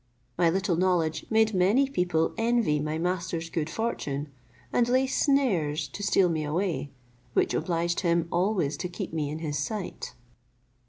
My little knowledge made many people envy my master's good fortune, and lay snares to steal me away, which obliged him always to keep me in his sight.